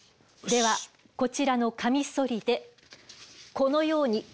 ではこちらのカミソリでこのように。